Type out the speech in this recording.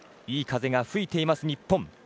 いい風が吹いています、日本。